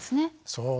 そう。